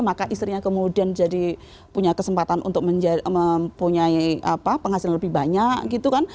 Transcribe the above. maka istrinya kemudian jadi punya kesempatan untuk mempunyai penghasilan lebih banyak gitu kan